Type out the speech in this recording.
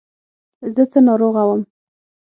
زه څه ناروغه وم.